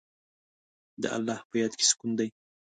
د الله په یاد کې سکون دی.